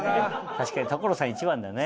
確かに所さん一番だね。